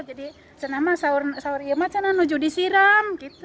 jadi seorang ibu saya menuju di siram